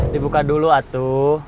dibuka dulu atu